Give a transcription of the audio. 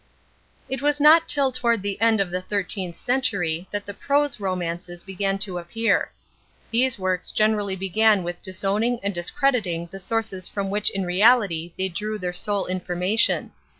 It was not till toward the end of the thirteenth century that the PROSE romances began to appear. These works generally began with disowning and discrediting the sources from which in reality they drew their sole information.